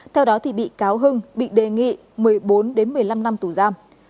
theo đó bị cáo hưng bị đề nghị một mươi bốn một mươi năm năm tù giam